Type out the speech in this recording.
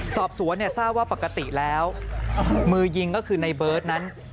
สอบสวนเนี่ยทราบว่าปกติแล้วมือยิงก็คือในเบิร์ตนั้น